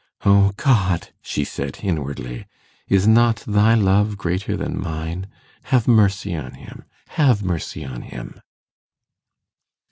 'O God!' she said, inwardly, 'is not Thy love greater than mine? Have mercy on him! have mercy on him!